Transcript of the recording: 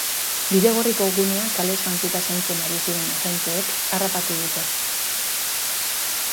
Bidegorriko gunea kalez jantzita zaintzen ari ziren agenteek harrapatu dute.